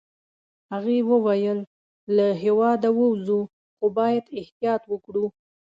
هغې وویل: له هیواده ووزو، خو باید احتیاط وکړو.